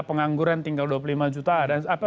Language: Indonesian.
pengangguran tinggal dua puluh lima jutaan